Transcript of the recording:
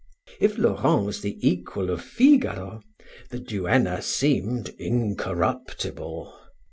If Laurent was the equal of Figaro, the duenna seemed incorruptible.